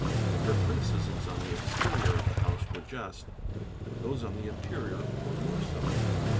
If her criticisms on the exterior of the house were just, those on the interior were more so.